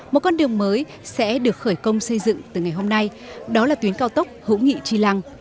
một con đường mới sẽ được khởi công xây dựng từ ngày hôm nay đó là tuyến cao tốc hữu nghị tri lăng